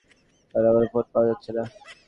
Sir, আমার phone পাওয়া যাচ্ছে না।